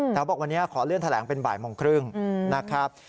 บอกวันนี้ขอเลื่อนแถลงเป็นบ่ายโมงครึ่งนะครับ